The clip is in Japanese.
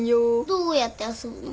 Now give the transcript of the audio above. どうやって遊ぶの？